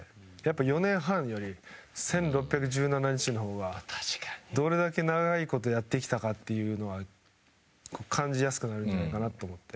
４年半より１６１７日のほうがどれだけ長いことやってきたかというのは感じやすくなるんじゃないかなと思って。